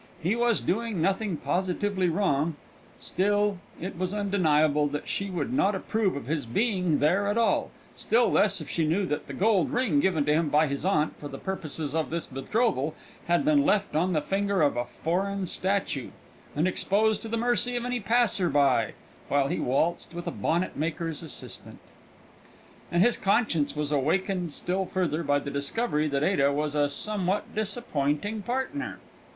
He was doing nothing positively wrong; still, it was undeniable that she would not approve of his being there at all, still less if she knew that the gold ring given to him by his aunt for the purposes of his betrothal had been left on the finger of a foreign statue, and exposed to the mercy of any passer by, while he waltzed with a bonnet maker's assistant. And his conscience was awakened still further by the discovery that Ada was a somewhat disappointing partner.